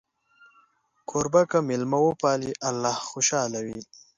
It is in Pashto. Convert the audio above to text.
کوربه که میلمه وپالي، الله خوشحاله وي.